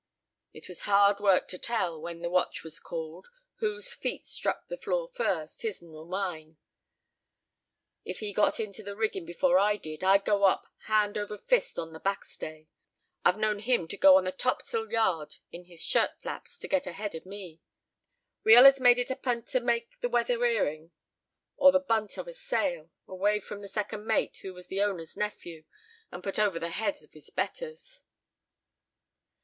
It was hard work to tell, when the watch was called, whose feet struck the floor first, his'n or mine. If he got into the rigging before I did, I'd go up hand over fist on the back stay. I've known him to go on the topsail yard in his shirt flaps to get ahead of me. We allers made it a p'int to take the weather earing, or the bunt of a sail, away from the second mate, who was the owner's nephew, and put over the head of his betters."